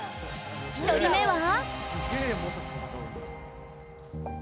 １人目は？